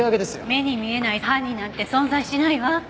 目に見えない犯人なんて存在しないわ。